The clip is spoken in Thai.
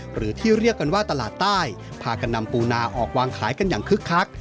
หรือที่เรียกกันว่าตลาดใต้พากันนำปูนาออกวางขายกันอย่างคึกคัก